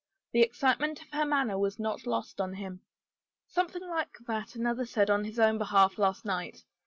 The excitement of her manner was not lost on him. " Something like that another said on his own behalf last night.